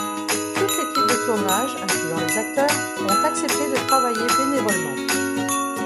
Toute l'équipe de tournage, incluant les acteurs, ont accepté de travailler bénévolement.